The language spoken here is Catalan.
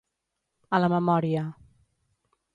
A la memòria.